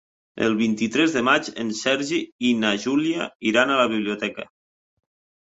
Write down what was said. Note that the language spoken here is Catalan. El vint-i-tres de maig en Sergi i na Júlia iran a la biblioteca.